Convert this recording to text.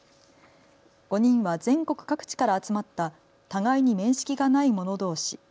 ５人は全国各地から集まった互いに面識がない者どうし。